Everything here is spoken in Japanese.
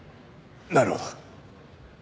なるほど。